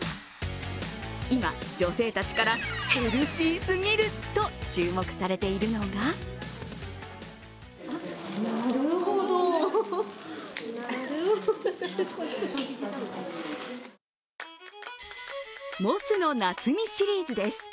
今、女性たちからヘルシーすぎると注目されているのがモスの菜摘シリーズです。